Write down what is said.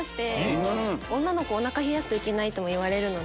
女の子おなか冷やすといけないともいわれるので。